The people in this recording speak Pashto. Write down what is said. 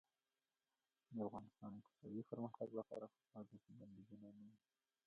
د افغانستان د اقتصادي پرمختګ لپاره پکار ده چې بندیزونه نه وي.